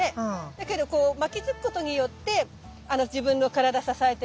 だけどこう巻きつくことによって自分の体支えてる。